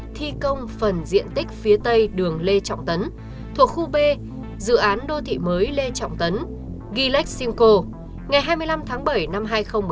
trịnh bá khiêm bị kết án về tội chống người thi hành công phần diện tích phía tây đường lê trọng tấn thuộc khu b dự án đô thị mới lê trọng tấn ghi lách simcoe ngày hai mươi năm tháng bảy năm hai nghìn một mươi năm